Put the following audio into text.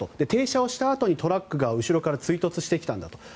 停車をしたあとにトラックが後ろから追突してきたんだと。